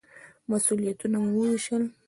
مسوولیتونه مو ووېشل.